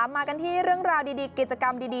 มากันที่เรื่องราวดีกิจกรรมดี